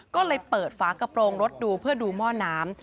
ก็เลยเปิดฝากระโปรงรถดูเพื่อดูหม้อน้ำ